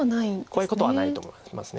怖いことはないと思います。